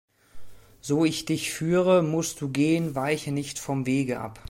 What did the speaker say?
So ich dich führe, mußt du gehen, weiche nicht vom Wege ab.